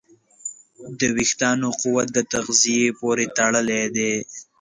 د وېښتیانو قوت د تغذیې پورې تړلی دی.